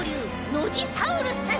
ノジサウルス。